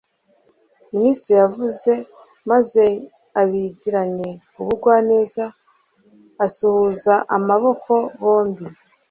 Minisitiri yavuze; maze abigiranye ubugwaneza asuhuza amaboko bombi